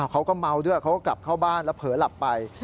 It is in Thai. เขาก็เมาด้วยเขาก็กลับเข้าบ้านแล้วเผลอหลับไป